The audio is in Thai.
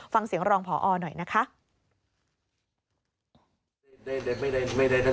ฟังเสียงรองพอหน่อยนะคะ